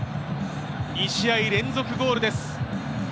２試合連続ゴールです。